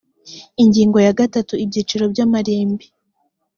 ingingo ya gatatu ibyiciro by amarimbi